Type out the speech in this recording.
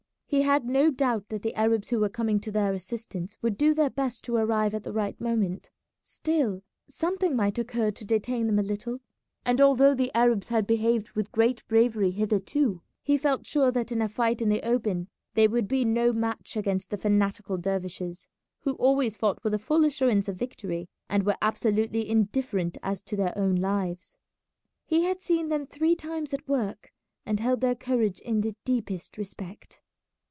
He had no doubt that the Arabs who were coming to their assistance would do their best to arrive at the right moment; still, something might occur to detain them a little, and although the Arabs had behaved with great bravery hitherto, he felt sure that in a fight in the open they would be no match against the fanatical dervishes, who always fought with a full assurance of victory, and were absolutely indifferent as to their own lives. He had seen them three times at work, and held their courage in the deepest respect.